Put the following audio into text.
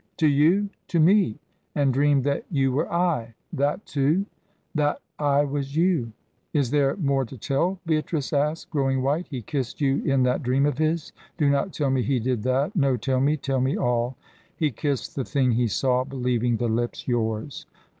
"To you?" "To me." "And dreamed that you were I? That too?" "That I was you." "Is there more to tell?" Beatrice asked, growing white. "He kissed you in that dream of his do not tell me he did that no, tell me tell me all!" "He kissed the thing he saw, believing the lips yours."